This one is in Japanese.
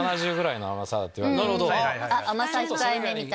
甘さ控えめみたいな。